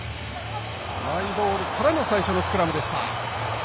マイボールからの最初のスクラムでした。